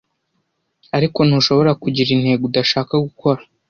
Ariko ntushobora kugira intego udashaka gukora.